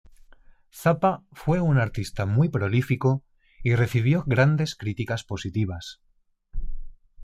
Zappa fue un artista muy prolífico y recibió grandes críticas positivas.